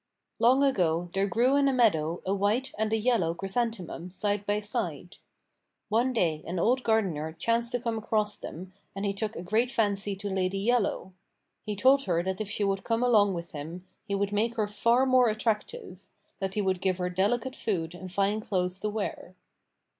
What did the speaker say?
Long ago there grew in a meadow a white and a yellow chrysanthemum side by side. One day an old gardener chanced to come across them and he took a great fancy to Lady Yellow. He told her that if she would come along with him he would make her far more attractive; that he would give her delicate food and fine clothes to wear.